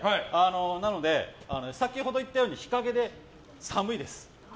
なので、先ほど言ったように日陰で寒いです。